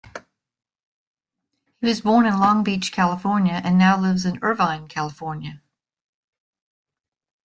He was born in Long Beach, California and now lives in Irvine, California.